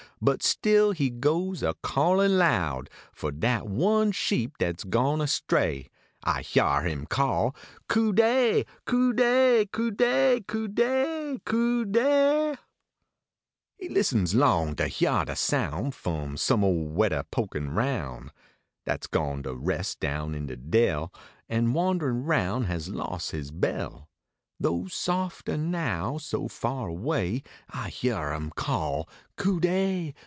But still he goes a callin loud, For dat one sheep dat s gone astray. I hyar him call, " Cu dey ! Cu dey ! Cu dey ! Cu dey ! Cu dey !" He listens long to hyar de soun . F om some ole wedder pokin roun , Dat s gone to res down in de dell. An wanderin roun has los his bell ; Tho softer now so far away. I hyar him call. " Cu dey